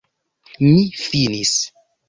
Mi finis.